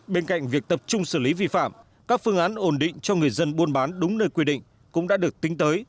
bên cạnh việc tập trung xử lý vi phạm các phương án ổn định cho người dân buôn bán đúng nơi quy định cũng đã được tính tới